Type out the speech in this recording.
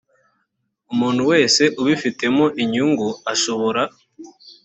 umuntu wese ubifitemo inyungu ashobora